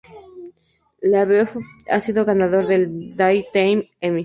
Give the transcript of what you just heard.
LaBeouf ha sido ganador del Daytime Emmy.